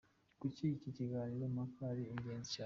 Kuki iki kiganiro mpaka ari ingenzi cyane? .